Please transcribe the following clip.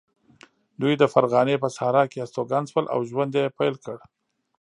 دوی د فرغانې په صحرا کې استوګن شول او ژوند یې پیل کړ.